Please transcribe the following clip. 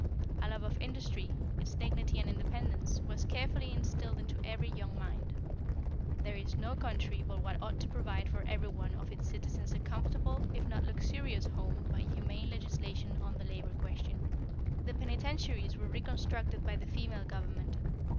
A love of industry, its dignity and independence, was carefully instilled into every young mind. There is no country but what ought to provide for everyone of its citizens a comfortable, if not luxurious, home by humane legislation on the labor question. "The penitentiaries were reconstructed by the female government.